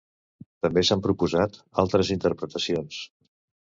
També s'han proposat altres interpretacions.